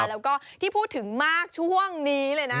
แล้วก็ที่พูดถึงมากช่วงนี้เลยนะ